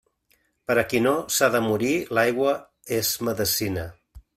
Per a qui no s'ha de morir, l'aigua és medecina.